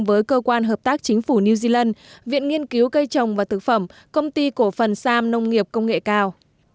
với cơ quan hợp tác chính phủ new zealand viện nghiên cứu cây trồng và thực phẩm công ty cổ phần sam nông nghiệp công nghệ cao